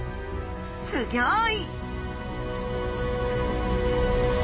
すギョい！